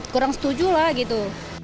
kurang setuju lah gitu